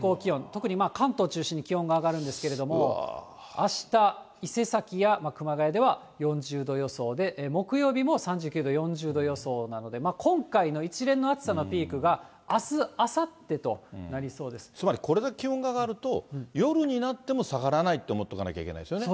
特に関東中心に気温が上がるんですけれども、あした、伊勢崎や熊谷では４０度予想で、木曜日も３９度、４０度予想なんで、今回の一連の暑さのピークがあす、つまりこれだけ気温が上がると、夜になっても下がらないと思っておかなきゃいけないですよね。